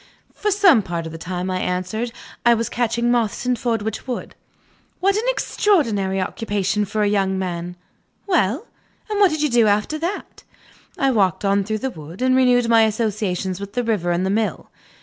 "For some part of the time," I answered, "I was catching moths in Fordwitch Wood." "What an extraordinary occupation for a young man! Well? And what did you do after that?" "I walked on through the wood, and renewed my old associations with the river and the mill."